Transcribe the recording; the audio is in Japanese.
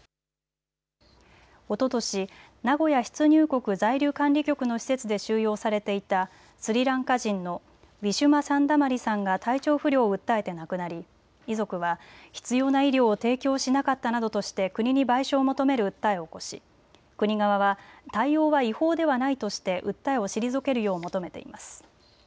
おととし名古屋出入国在留管理局の施設で収容されていたスリランカ人のウィシュマ・サンダマリさんが体調不良を訴えて亡くなり遺族は必要な医療を提供しなかったなどとして国に賠償を求める訴えを起こし国側は対応は違法ではないとして訴えを退けるよう求めています。